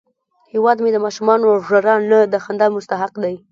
هیواد مې د ماشومانو ژړا نه، د خندا مستحق دی